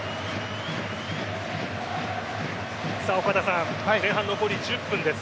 岡田さん、前半残り１０分です。